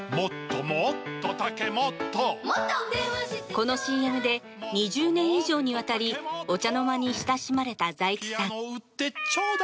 このＣＭで２０年以上にわたりお茶の間に親しまれた財津さん。